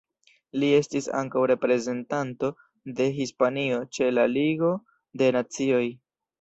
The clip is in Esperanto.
Li estis ankaŭ reprezentanto de Hispanio ĉe la Ligo de Nacioj.